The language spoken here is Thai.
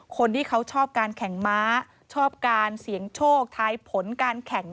คนที่เขาชอบการแข่งม้าชอบการเสี่ยงโชคทายผลการแข่ง